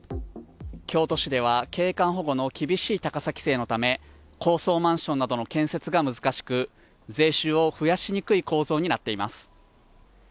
京都市では、景観保護の厳しい高さ規制のため、高層マンションなどの建設が難しく、税収を増やしにくい構造になっています。